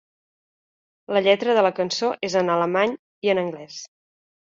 La lletra de la cançó és en alemany i en anglès.